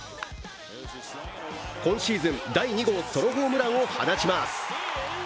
今シーズン第２号ソロホームランを放ちます。